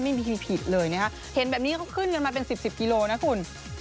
ไม่มีผิดเลยนะคะเห็นแบบนี้เขาขึ้นกันมาเป็นสิบสิบกิโลนะคุณ